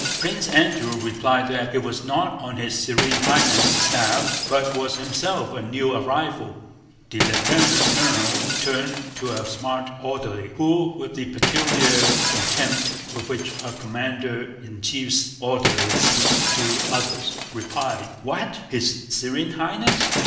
Prince Andrew replied that he was not on his Serene Highness' staff but was himself a new arrival. The lieutenant colonel turned to a smart orderly, who, with the peculiar contempt with which a commander in chief's orderly speaks to officers, replied: "What? His Serene Highness?